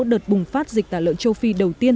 đợt bùng phát dịch tả lợn châu phi đầu tiên